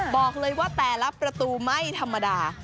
บอกเลยว่าแต่ละประตูไม่ธรรมดา